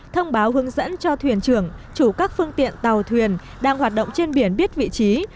thông báo hướng dẫn cho thuyền trưởng chủ các phương tiện tàu thuyền đang hoạt động trên biển biết vị trí